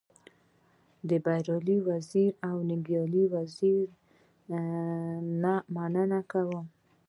د بريالي وزيري او ننګيالي وزيري نه مننه کوم.